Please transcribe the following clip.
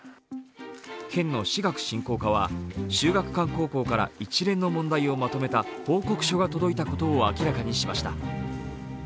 県の私学振興課は秀岳館高校から一連の問題をまとめた報告書が届いたことを明らかにしました。